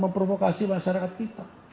memprovokasi masyarakat kita